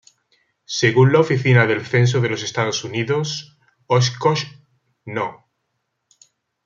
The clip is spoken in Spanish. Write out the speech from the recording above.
Según la Oficina del Censo de los Estados Unidos, Oshkosh No.